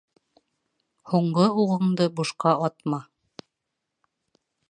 Һуңғы уғыңды бушҡа атма.